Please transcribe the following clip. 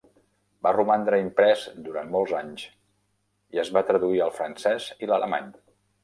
Va romandre imprès durant molts anys i es va traduir al francès i l'alemany.